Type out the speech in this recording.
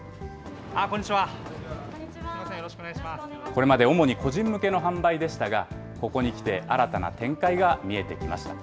これまで主に個人向けの販売でしたが、ここにきて新たな展開が見えてきました。